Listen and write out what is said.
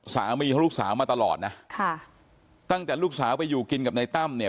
สามีของลูกสาวมาตลอดนะค่ะตั้งแต่ลูกสาวไปอยู่กินกับนายตั้มเนี่ย